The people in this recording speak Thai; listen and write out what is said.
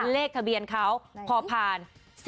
เลขทะเบียนเขาพอผ่าน๔